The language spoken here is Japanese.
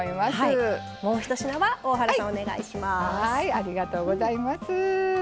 ありがとうございます。